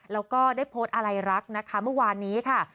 แล้วก็ได้โพสต์อะไรรักนะคะเมื่อวานนี้ค่ะ